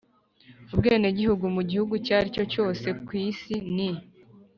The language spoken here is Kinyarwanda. ubwenegihugu mu gihugu icyari cyo cyose ku isi ni